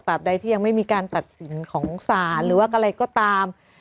ใดที่ยังไม่มีการตัดสินของศาลหรือว่าอะไรก็ตาม